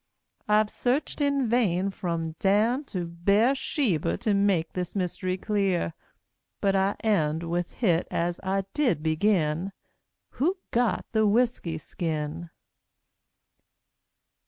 I've sarched in vain, from Dan to Beer Sheba, to make this mystery clear; But I end with hit as I did begin, WHO GOT THE WHISKY SKIN?